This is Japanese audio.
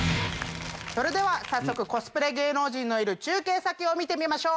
それではコスプレ芸能人のいる中継先を見てみましょう。